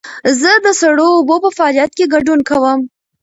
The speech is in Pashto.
زه د سړو اوبو په فعالیت کې ګډون کوم.